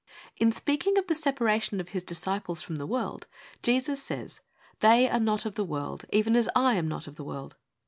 In speaking of the separation of His disciples from the world, Jesus says, 'They are not of the world, even as I am not of the world.